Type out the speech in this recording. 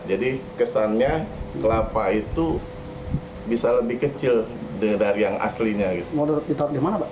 jadi kesannya kelapa itu bisa lebih kecil dari yang aslinya